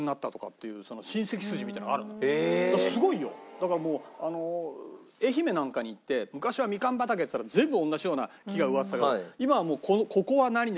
だからもう愛媛なんかに行って昔はみかん畑っつったら全部同じような木が植わってたけど今はもう「ここは何々」